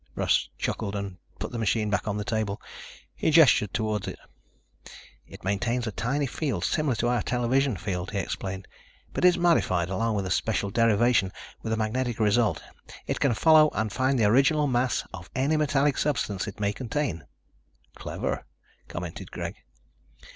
Russ chuckled and put the machine back on the table. He gestured toward it. "It maintains a tiny field similar to our television field," he explained. "But it's modified along a special derivation with a magnetic result. It can follow and find the original mass of any metallic substance it may contain." "Clever," commented Greg.